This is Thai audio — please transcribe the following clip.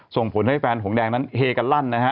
ส่งผลให้แฟนหงแดงนั้นเฮกันลั่นนะฮะ